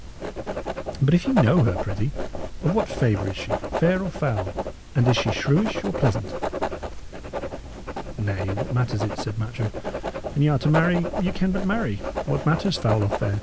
But if ye know her, prithee, of what favour is she? fair or foul? And is she shrewish or pleasant?" "Nay, what matters it?" said Matcham. "An y' are to marry, ye can but marry. What matters foul or fair?